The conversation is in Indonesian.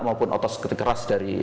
maupun otot keteras dari